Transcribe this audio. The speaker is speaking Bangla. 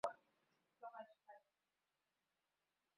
আমি তাই বেসবলের হেলমেট ব্যবহার করি, আমার জন্য এটা বেশ আরামদায়ক।